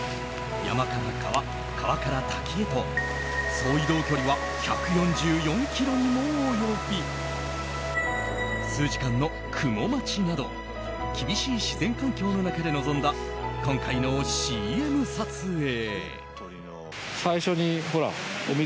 山から川、川から滝へと総移動距離は１４４ｋｍにも及び数時間の雲待ちなど厳しい自然環境の中で臨んだ今回のＣＭ撮影。